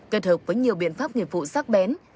kết hợp với nhiều biện pháp nghiệp vụ sát bén